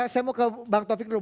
saya mau ke bang taufik dulu